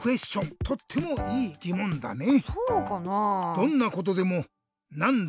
どんなことでも「なんで？